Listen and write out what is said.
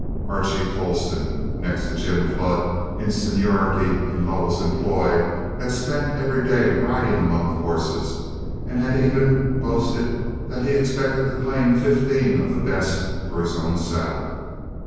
Archie Tolleston, next to Jim Flood in seniority in Lovell's employ, had spent every day riding among the horses, and had even boasted that he expected to claim fifteen of the best for his own saddle.